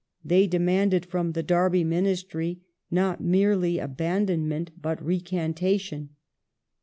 They demanded from the Derby Ministry not merely abandonment but recantation.